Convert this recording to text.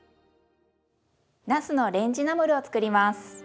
なすのレンジナムルを作ります。